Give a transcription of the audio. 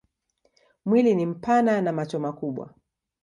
Mwili ni mpana na macho makubwa.